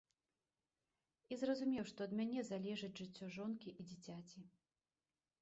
І зразумеў, што ад мяне залежыць жыццё жонкі і дзіцяці.